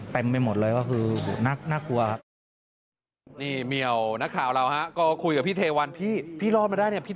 ไปหมดเลยก็คือน่ากลัวครับ